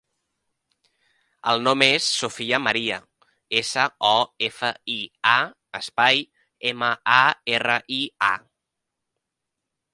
El nom és Sofia maria: essa, o, efa, i, a, espai, ema, a, erra, i, a.